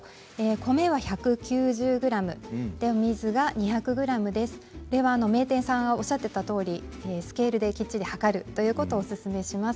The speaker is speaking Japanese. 米は１９０ｇ水は２００ｇ名店さんがおっしゃっていたとおりスケールできっちりと量ることをおすすめします。